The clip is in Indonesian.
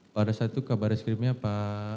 pada saat itu kabar reskrimnya apa